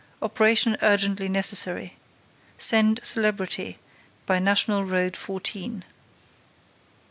Operation urgently necessary. Send celebrity by national road fourteen.